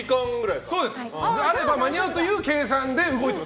なので間に合うという計算で動いてます